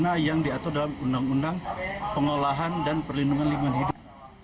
tidak pidana yang diatur dalam undang undang pengelolaan dan perlindungan lingkungan hidup